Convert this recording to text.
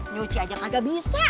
nyuci aja kagak bisa